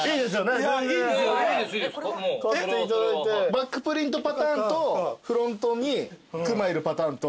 バックプリントパターンとフロントに熊いるパターンと。